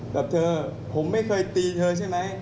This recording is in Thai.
กับเธอผมไม่เคยตีเธอใช่ไหม